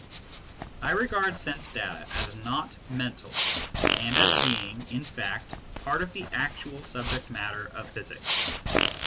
I regard sense data as not mental, and as being, in fact, part of the actual subject matter of physics.